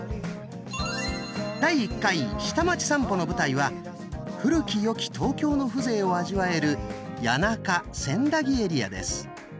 第１回下町さんぽの舞台は古き良き東京の風情を味わえる谷中・千駄木エリアです。